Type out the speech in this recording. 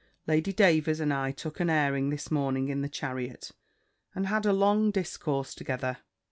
Lady Davers and I took an airing this morning in the chariot, and had a long discourse together.